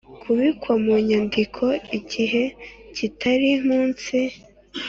kubikwa mu nyandiko igihe kitari munsi